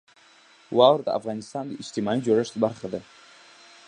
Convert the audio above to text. واوره د افغانستان د اجتماعي جوړښت برخه ده.